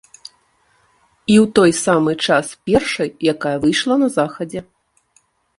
І ў той самы час першай, якая выйшла на захадзе.